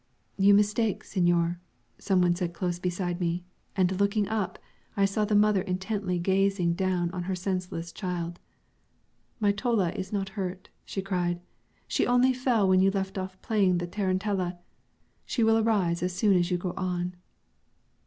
"You mistake, signor," some one said close beside me; and on looking up I saw the mother intently gazing down on her senseless child. "My Tolla is not hurt," she cried: "she only fell when you left off playing the tarantella; she will arise as soon as you go on."